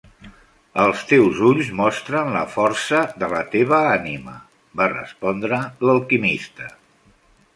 "Els teus ulls mostren la força de la teva ànima", va respondre l'alquimista.